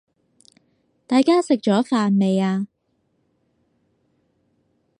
大家食咗飯未呀？